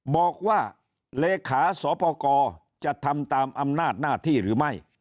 บอกว่าเลขาสปกรจะทำตามอำนาจหน้าที่หรือไม่